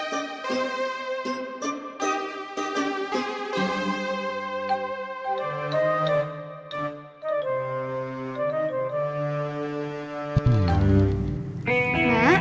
kalau sesuatu itu baru bisa dibilang baik